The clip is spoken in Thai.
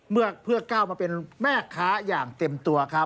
เพื่อก้าวมาเป็นแม่ค้าอย่างเต็มตัวครับ